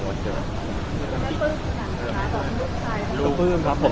คุณแม่เพิ่มอยากถามลูกชายครับ